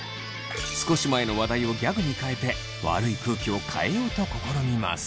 少し前の話題をギャグに変えて悪い空気を変えようと試みます。